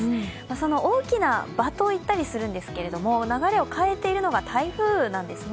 その大きな場と言ったりするんですが、流れを変えているのが台風なんですね。